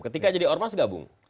ketika jadi ormas gabung